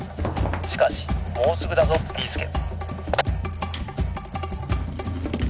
しかしもうすぐだぞビーすけ！」。